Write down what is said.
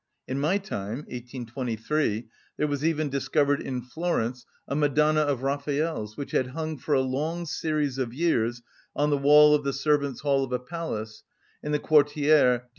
In my time (1823) there was even discovered in Florence a Madonna of Raphael's, which had hung for a long series of years on the wall of the servants' hall of a palace (in the _Quartiere di S.